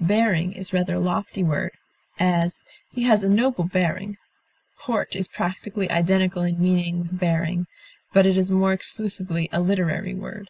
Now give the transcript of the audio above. Bearing is rather a lofty word; as, he has a noble bearing; port is practically identical in meaning with bearing, but is more exclusively a literary word.